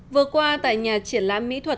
vừa qua tại nhà triển lãm mỹ thuật